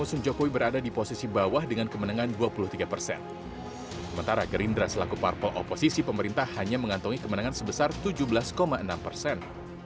sementara gerindra selaku parpol oposisi pemerintah hanya mengantongi kemenangan sebesar tujuh belas enam persen